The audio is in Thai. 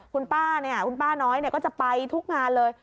คุณป้าน้อยก็จะไปทุกงานเลย